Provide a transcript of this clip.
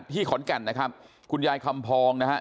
ขอนแก่นนะครับคุณยายคำพองนะครับ